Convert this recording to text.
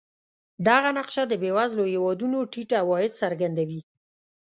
دغه نقشه د بېوزلو هېوادونو ټیټ عواید څرګندوي.